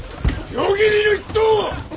夜霧ノ一党！